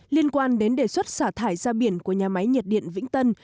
liên quan đến đề xuất xả thải ra biển của nhà máy nhiệt điện vĩnh tân